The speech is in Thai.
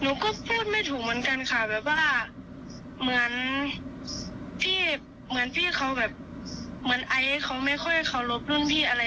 ผมดูก็พูดไม่ถูกเหมือนไอซ์ไม่ค่อยขอบรุ่นพี่ค่ะเหมือนพูดไม่ถูกพี่เขาอะไรแบบนี้ค่ะ